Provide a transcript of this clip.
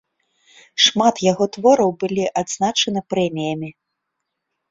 Шмат яго твораў былі адзначаны прэміямі.